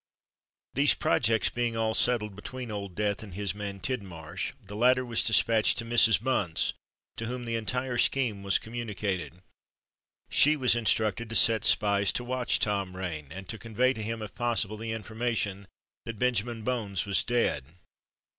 These projects being all settled between Old Death and his man Tidmarsh, the latter was despatched to Mrs. Bunce to whom the entire scheme was communicated. She was instructed to set spies to watch Tom Rain, and to convey to him, if possible, the information that Benjamin Bones was dead.